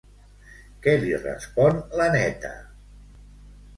Què li respon l'Anneta?